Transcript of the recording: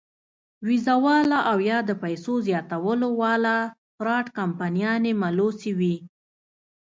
وېزو واله او يا د پېسو زياتولو واله فراډ کمپنيانې ملوثې وي -